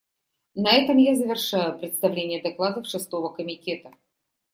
На этом я завершаю представление докладов Шестого комитета.